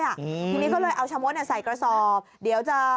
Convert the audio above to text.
ทีนี้ก็เลยเอาชะมดใส่กระสอบเดี๋ยวจะ